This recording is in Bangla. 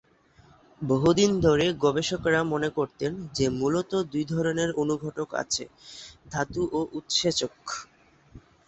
বহুদিন ধরে গবেষকেরা মনে করতেন যে মূলত দুই ধরনের অনুঘটক আছে, ধাতু ও উৎসেচক।